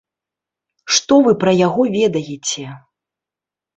Што вы пра яго ведаеце?